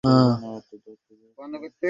Medal madam অপেক্ষা করছেন।